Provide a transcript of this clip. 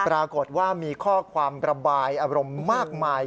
ปรากฏว่ามีข้อความระบายอารมณ์มากมาย